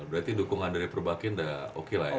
berarti dukungan dari perbakinda oke lah ya